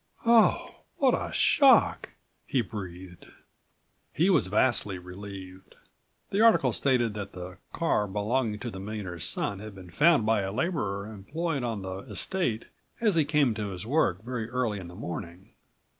"Oh! What a shock!" he breathed. He was vastly relieved. The article stated that the car belonging to the millionaire's son had been found by a laborer employed on the estate as he came to his work very early in the morning.